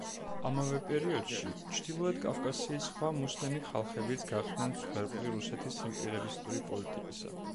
ამავე პერიოდში, ჩრდილოეთ კავკასიის სხვა მუსლიმი ხალხებიც გახდნენ მსხვერპლი რუსეთის იმპერიალისტური პოლიტიკისა.